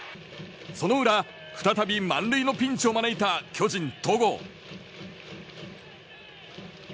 その裏、再び満塁のピンチを招いた巨人、戸郷。